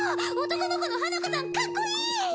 男の子の花子さんかっこいい！